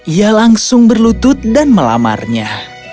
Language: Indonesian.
ia langsung berlutut dan melamarnya